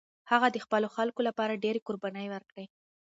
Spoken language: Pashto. هغه د خپلو خلکو لپاره ډېرې قربانۍ ورکړې.